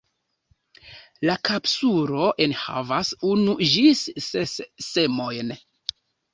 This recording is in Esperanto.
La kapsulo enhavas unu ĝis ses semojn.